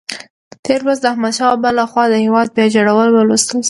تېر لوست د احمدشاه بابا لخوا د هېواد بیا جوړول ولوستل شول.